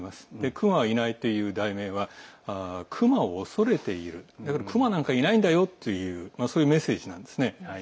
「熊は、いない」という題名は熊を恐れている熊なんかいないんだよとそういうメッセージなんですね。